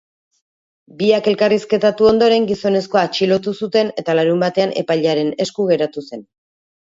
Biak elkarrizketatu ondoren, gizonezkoa atxilotu zuten eta larunbatean epailearen esku geratu zen.